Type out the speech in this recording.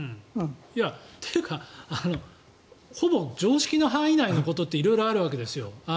いや、というかほぼ常識の範囲内のことって色々あるわけですよ。